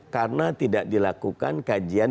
karena tidak dilakukan kajian